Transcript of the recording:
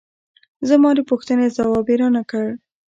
زما د پوښتنې ځواب یې را نه کړ.